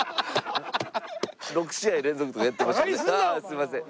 すいません。